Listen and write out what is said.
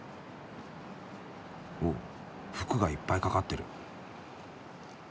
おっ服がいっぱい掛かってる。